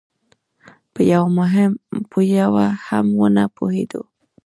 په یوه هم ونه پوهېدو.